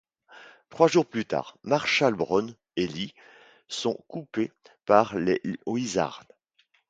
Trois jours plus tard, Marshall, Brown et Lee sont coupés par les Wizards.